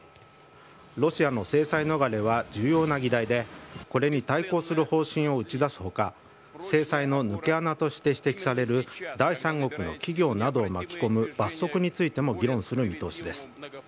ロシアの制裁逃れは重要な議題でこれに対抗する方針を打ち出す他制裁の抜け穴として指摘される第三国の企業などを巻き込む罰則についても議論する見通しです。